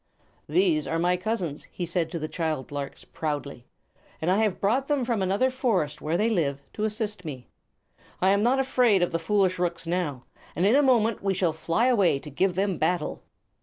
"These are my cousins," he said to the child larks, proudly, "and I have brought them from another forest, where they live, to assist me. I am not afraid of the foolish rooks now, and in a moment we shall fly away to give them battle."